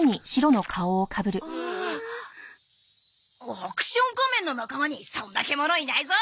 アクション仮面の仲間にそんなケモノいないぞ！